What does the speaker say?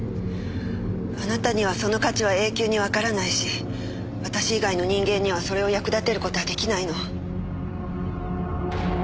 あなたにはその価値は永久にわからないし私以外の人間にはそれを役立てる事は出来ないの。